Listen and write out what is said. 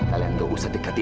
ayah di dalamnya bu